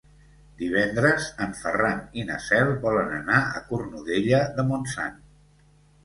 Divendres en Ferran i na Cel volen anar a Cornudella de Montsant.